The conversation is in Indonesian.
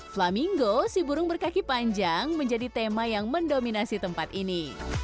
flaminggo si burung berkaki panjang menjadi tema yang mendominasi tempat ini